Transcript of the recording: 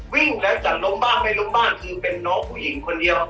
วิ่งแล้วจะล้มบ้างไม่ล้มบ้างคือเป็นน้องผู้หญิงคนเดียว